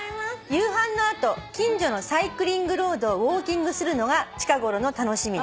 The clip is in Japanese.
「夕飯の後近所のサイクリングロードをウオーキングするのが近ごろの楽しみです」